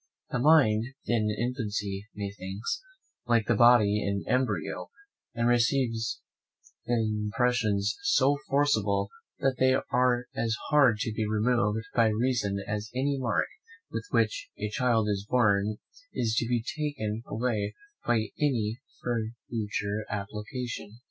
The mind in infancy is, methinks, like the body in embryo; and receives impressions so forcible that they are as hard to be removed by reason as any mark with which a child is born is to be taken away by any future application.